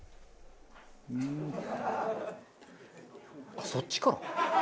あっそっちから？